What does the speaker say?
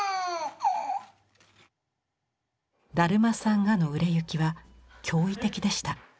「だるまさんが」の売れ行きは驚異的でした。